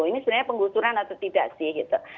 ini sebenarnya penggusuran atau tidak sih gitu